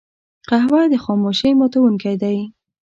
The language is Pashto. قهوه د خاموشۍ ماتونکی دی